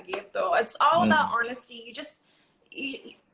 itu semua tentang kebenaran